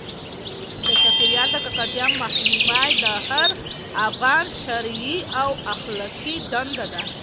د چاپیریال د ککړتیا مخنیوی د هر افغان شرعي او اخلاقي دنده ده.